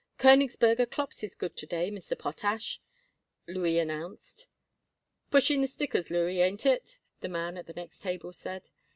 "Koenigsberger Klops is good to day, Mr. Potash," Louis announced. "Pushing the stickers, Louis, ain't it?" the man at the next table said.